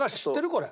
これ。